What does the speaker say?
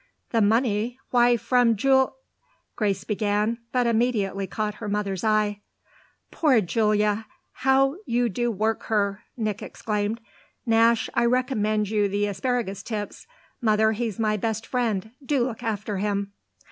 "The money? Why from Jul !" Grace began, but immediately caught her mother's eye. "Poor Julia, how you do work her!" Nick exclaimed. "Nash, I recommend you the asparagus tips. Mother, he's my best friend do look after him."